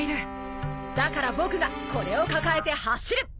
だから僕がこれを抱えて走る！